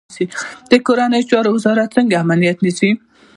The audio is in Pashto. کورنیو چارو وزارت څنګه امنیت نیسي؟